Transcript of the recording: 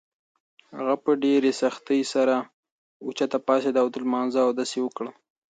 هغه په ډېرې سختۍ سره اوچته پاڅېده او د لمانځه اودس یې وکړ.